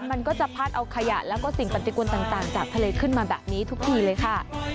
มันก็จะพัดเอาขยะแล้วก็สิ่งปฏิกุลต่างจากทะเลขึ้นมาแบบนี้ทุกทีเลยค่ะ